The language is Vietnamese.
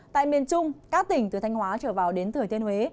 tại miền trung các tỉnh từ thanh hóa trở vào đến thừa thiên huế